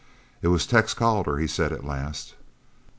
"It was Tex Calder," he said at last.